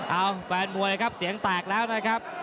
แฟนมวยนะครับเสียงแตกแล้วนะครับ